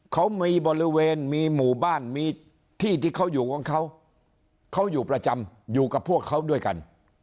เขามีบริเวณมีหมู่บ้านมีที่ที่เขาอยู่ของเขาเขาอยู่ประจำอยู่กับพวกเขาด้วยกัน